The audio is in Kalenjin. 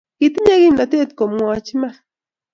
Kitinye kimnatet ko mwach iman